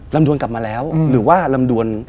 ดวนกลับมาแล้วหรือว่าลำดวน